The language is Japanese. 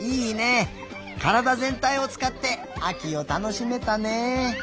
からだぜんたいをつかってあきをたのしめたね。